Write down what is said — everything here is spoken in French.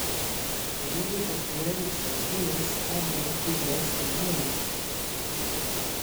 Les nouveaux personnages sont Signas, Alia, Douglas et Dynamo.